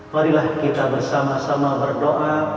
marilah kita bersama sama berdoa